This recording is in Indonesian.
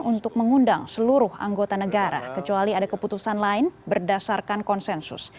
untuk mengundang seluruh anggota negara kecuali ada keputusan lain berdasarkan konsensus